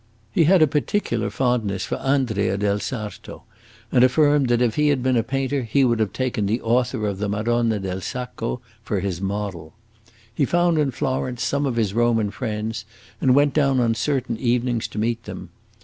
He had a particular fondness for Andrea del Sarto, and affirmed that if he had been a painter he would have taken the author of the Madonna del Sacco for his model. He found in Florence some of his Roman friends, and went down on certain evenings to meet them.